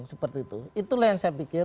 seperti itu itulah yang saya pikir